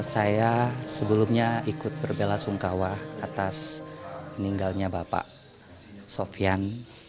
ibu siti alfarid saya sebelumnya ikut berbela sungkawa atas meninggalnya bapak sofyan